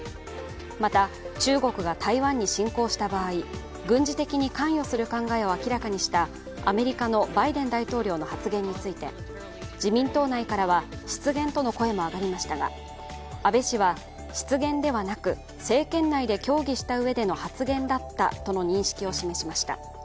また、中国が台湾に侵攻した場合、軍事的に関与する考えを明らかにしたアメリカのバイデン大統領の発言について自民党内からは失言との声も上がりましたが、安倍氏は失言ではなく政権内で協議したうえでの発言だったとの認識を示しました。